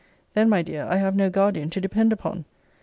Then, my dear, I have no guardian to depend upon.